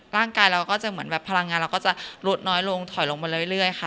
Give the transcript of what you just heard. ร่างกายเราก็จะเหมือนแบบพลังงานเราก็จะลดน้อยลงถอยลงมาเรื่อยค่ะ